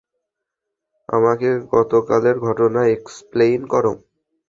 আমাকে গতকালের ঘটনা এক্সপ্লেইন করো।